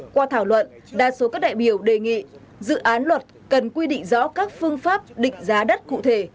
qua thảo luận đa số các đại biểu đề nghị dự án luật cần quy định rõ các phương pháp định giá đất cụ thể